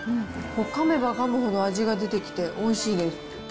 かめばかむほど味が出てきて、おいしいです。